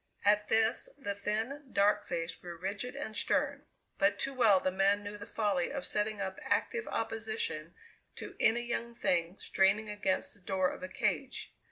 At this the thin, dark face grew rigid and stern. But too well the man knew the folly of setting up active opposition to any young thing straining against the door of a cage.